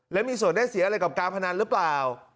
และมีส่วนได้เสียอะไรกับการพนันหรือเปล่า